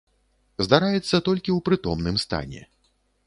Здараецца толькі ў прытомным стане.